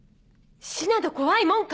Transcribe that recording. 死など怖いもんか！